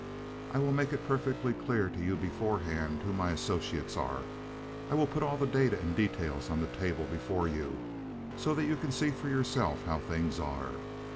I will make it perfectly clear to you beforehand who my associates are. I will put all the data and details on the table before you so that you can see for yourself how things are.